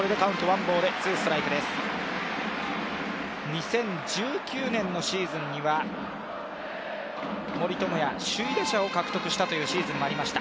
２０１９年のシーズンには森友哉、首位打者を獲得したシーズンもありました。